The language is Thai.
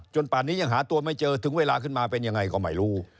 ป่านนี้ยังหาตัวไม่เจอถึงเวลาขึ้นมาเป็นยังไงก็ไม่รู้